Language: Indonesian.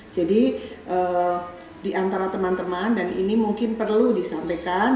jadi di antara teman teman dan ini mungkin perlu disampaikan